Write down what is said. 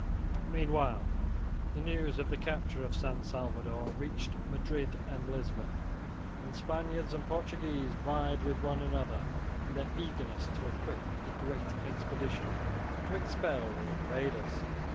Meanwhile the news of the capture of San Salvador reached Madrid and Lisbon; and Spaniards and Portuguese vied with one another in their eagerness to equip a great expedition to expel the invaders.